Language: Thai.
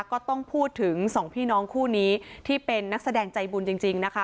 ก็ต้องพูดถึงสองพี่น้องคู่นี้ที่เป็นนักแสดงใจบุญจริงนะคะ